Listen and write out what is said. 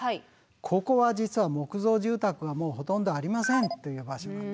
ここは実は木造住宅がもうほとんどありませんという場所なんですね。